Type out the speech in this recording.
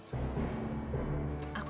abis pergi sama temen temen aku